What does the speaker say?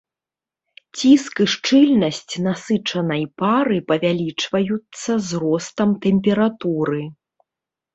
Ціск і шчыльнасць насычанай пары павялічваюцца з ростам тэмпературы.